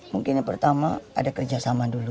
mungkin yang pertama ada kerjasama dulu